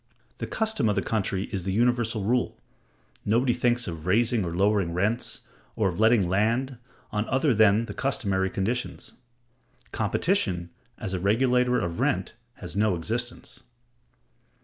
The custom of the country is the universal rule; nobody thinks of raising or lowering rents, or of letting land, on other than the customary conditions. Competition, as a regulator of rent, has no existence.